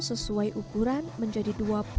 sesuai ukuran menjadi